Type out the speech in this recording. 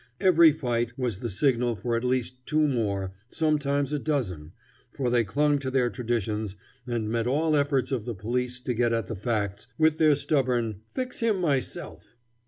Every fight was the signal for at least two more, sometimes a dozen, for they clung to their traditions and met all efforts of the police to get at the facts with their stubborn "fix him myself."